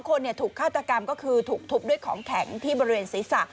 คนถูกฆาตกรรมก็คือถูกทุบด้วยของแข็งที่บริเวณศีรษะ